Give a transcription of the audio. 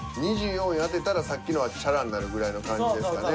２４位当てたらさっきのはチャラになるぐらいの感じですかね。